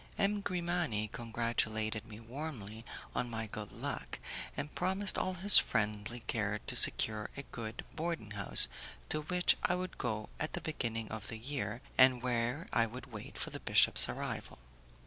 M. Grimani congratulated me warmly on my good luck, and promised all his friendly care to secure a good boarding house, to which I would go at the beginning of the year, and where I would wait for the bishop's arrival.